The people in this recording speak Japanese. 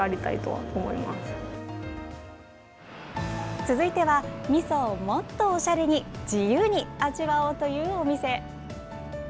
続いてはみそをもっとおしゃれに自由に味わおうというお店。